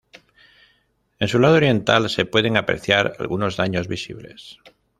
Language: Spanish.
En su lado oriental se pueden apreciar algunos daños visibles.